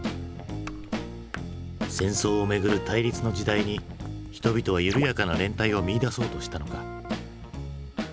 戦争をめぐる対立の時代に人々はゆるやかな連帯を見いだそうとしたのか？